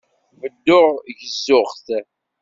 Bedduɣ gezzuɣ-t.